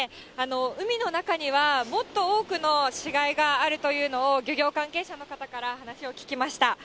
海の中には、もっと多くの死骸があるというのを漁業関係者の方から話を聞きました。